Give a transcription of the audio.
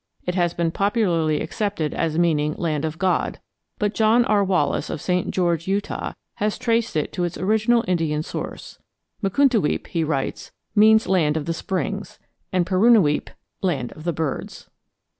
It has been popularly accepted as meaning "Land of God," but John R. Wallis, of St. George, Utah, has traced it to its original Indian source. Mukuntuweap, he writes, means "Land of the Springs," and Parunuweap "Land of the Birds."